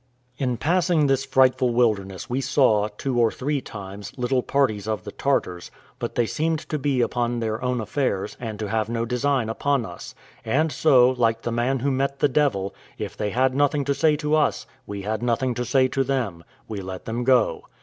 In passing this frightful wilderness we saw, two or three times, little parties of the Tartars, but they seemed to be upon their own affairs, and to have no design upon us; and so, like the man who met the devil, if they had nothing to say to us, we had nothing to say to them: we let them go.